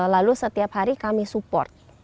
lalu setiap hari kami support